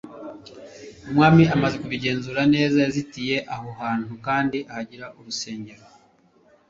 umwami amaze kubyigenzurira neza yazitiye aho hantu kandi ahagira urusengero